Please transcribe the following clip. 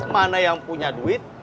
mana yang punya duit